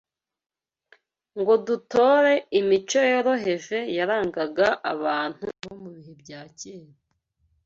ngo dutore imico yoroheje yarangaga abantu bo mu bihe bya kera